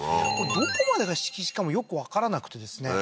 どこまでが敷地かもよくわからなくてですね